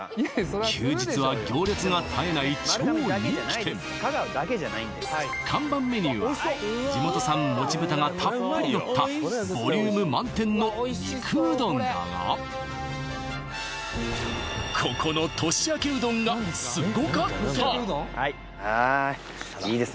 休日は行列が絶えない看板メニューは地元産もち豚がたっぷりのったボリューム満点の肉うどんだがここの年明けうどんがすごかったあいいですね